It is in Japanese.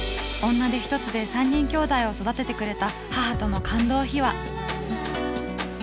女手ひとつで３人兄弟を育ててくれた母との感動秘話。